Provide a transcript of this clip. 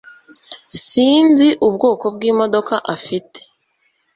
Sinzi ubwoko bw'imodoka afite